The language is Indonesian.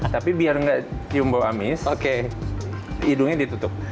tapi biar tidak cium bau amis hidungnya ditutup